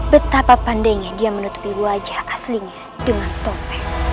betapa pandainya dia menutupi wajah aslinya dengan topeng